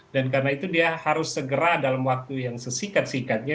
dan karena itu dia harus segera dalam waktu yang sesikat sikatnya